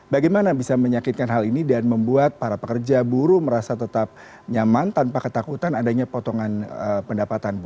bagaimana bisa menyakitkan hal ini dan membuat para pekerja buruh merasa tetap nyaman tanpa ketakutan adanya potongan pendapatan bu